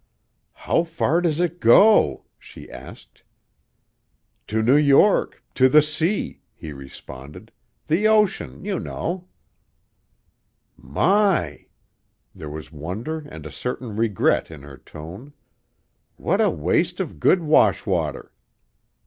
"How far does it go?" she asked. "To New York; to the sea," he responded. "The ocean, you know." "My!" There was wonder and a certain regret in her tone. "What a waste of good wash water!"